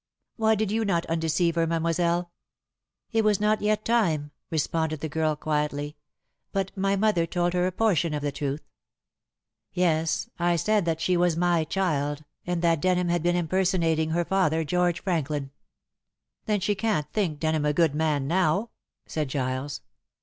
"Why did you not undeceive her, mademoiselle?" "It was not yet time," responded the girl quietly, "but my mother told her a portion of the truth." "Yes. I said that she was my child and that Denham had been impersonating her father, George Franklin." "Then she can't think Denham a good man now," said Giles.